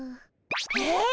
えっ？